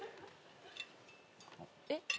えっ？